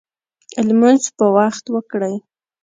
لمونځ په وخت وکړئ